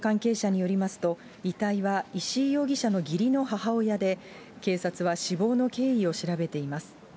捜査関係者によりますと、遺体は石井容疑者の義理の母親で、警察は死亡の経緯を調べています。